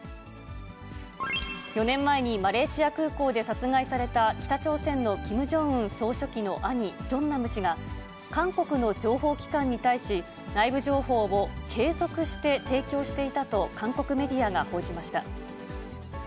４年前にマレーシア空港で殺害された、北朝鮮のキム・ジョンウン総書記の兄、ジョンナム氏が、韓国の情報機関に対し、内部情報を継続して提供していたと韓国メディアが報じました。